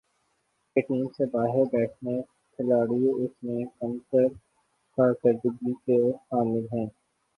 کہ ٹیم سے باہر بیٹھے کھلاڑی ان سے کم تر کارکردگی کے حامل ہیں ۔